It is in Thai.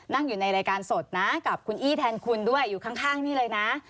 นั่งอยู่ในรายการสดนะกับคุณอี้แทนคุณด้วยอยู่ข้างนี่เลยนะ